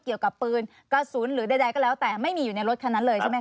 เกี่ยวกับปืนกระสุนหรือใดก็แล้วแต่ไม่มีอยู่ในรถคันนั้นเลยใช่ไหมค